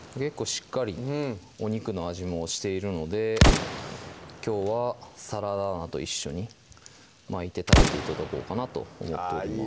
しっかりお肉の味もしているのできょうはサラダ菜と一緒に巻いて食べて頂こうかなと思っています